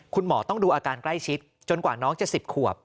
คุณหมอต้องดูอาการใกล้ชิดจนกว่าน้องจะ๑๐ขวบ